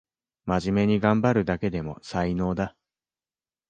まじめにがんばるだけでも才能だ